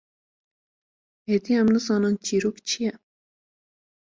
êdî em nizanin çîrok çi ye.